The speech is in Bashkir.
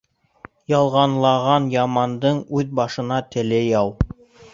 Ялғанлаған ямандың үҙ башына теле яу.